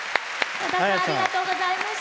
さださんありがとうございました。